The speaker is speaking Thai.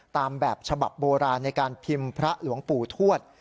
ตามแบบฉบับโบราณในการพิมพ์พระหลวงปู่ทวด